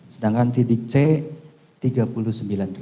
sedangkan titik c tiga puluh sembilan